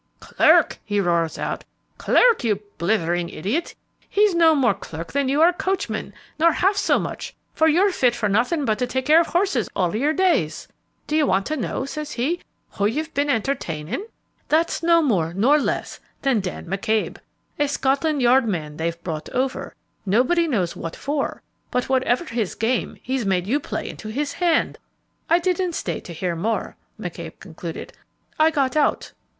'Clerk!' he roars out, 'clerk, you blithering idiot! he's no more clerk than you are coachman, nor half so much, for you're fit for nothing but to take care of horses all your days! Do you want to know,' says he, 'who you've been entertaining?' That's no more nor less than Dan McCabe, a Scotland Yard man they've brought over, nobody knows what for, but whatever his game, he's made you play into his hand! I didn't stay to hear more," McCabe concluded, "I got out."